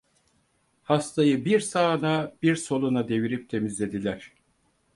Hastayı bir sağına, bir soluna devirip temizlediler.